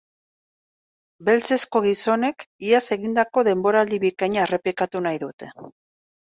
Beltzezko gizonek iaz egindako denboraldi bikaina errepikatu nahi dute.